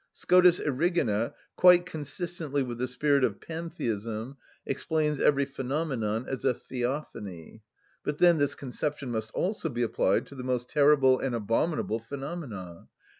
Scotus Erigena, quite consistently with the spirit of Pantheism, explains every phenomenon as a theophany; but then this conception must also be applied to the most terrible and abominable phenomena.